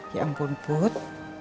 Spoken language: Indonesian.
ya ampun put